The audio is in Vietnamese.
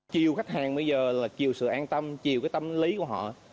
chiều khách hàng bây giờ là chiều sự an tâm chiều cái tâm lý của họ